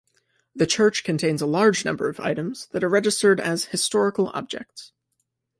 The church contains a large number of items that are registered as historical objects.